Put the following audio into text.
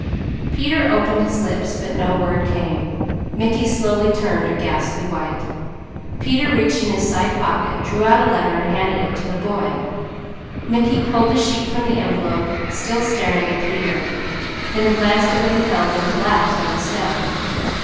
Peter opened his lips, but no word came. Mickey slowly turned a ghastly white. Peter reached in his side pocket, drew out a letter, and handed it to the boy. Mickey pulled the sheet from the envelope, still staring at Peter, then glanced at what he held and collapsed on the step.